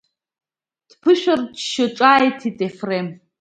Дԥышәырччо ҿааиҭит Ефрем.